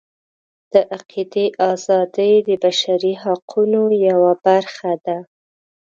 د عقیدې ازادي د بشري حقونو یوه برخه ده.